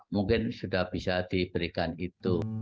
mungkin sudah bisa diberikan itu